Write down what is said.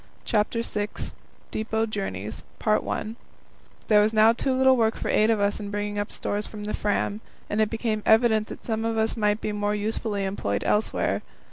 CHAPTER VI Depot Journeys There was now too little work for eight of us in bringing up stores from the Fram, and it became evident that some of us might be more usefully employed elsewhere.